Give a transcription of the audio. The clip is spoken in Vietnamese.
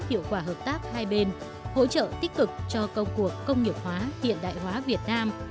hiệu quả hợp tác hai bên hỗ trợ tích cực cho công cuộc công nghiệp hóa hiện đại hóa việt nam